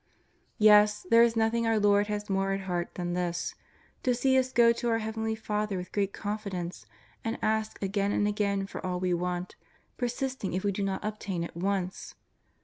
Yes, there is nothing our Lord has more at heart than this — to see us go to our Heavenly Father with great confidence and ask again and again for all we want, persisting if we do not obtain at once.